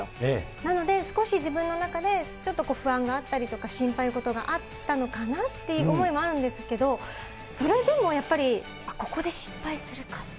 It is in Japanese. なので少し自分の中でちょっと不安があったりとか、心配事があったのかなっていう思いもあるんですけど、それでもやっぱり、ここで失敗するかって。